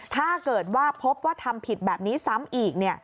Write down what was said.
ถ้าเกิดว่าพบว่าทำผิดแบบนี้ซ้ำอีก